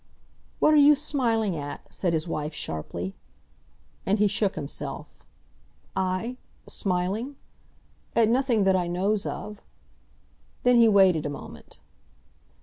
"What are you smiling at?" said his wife sharply. And he shook himself. "I—smiling? At nothing that I knows of." Then he waited a moment.